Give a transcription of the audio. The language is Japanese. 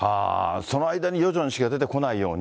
その間にヨジョン氏が出てこないように。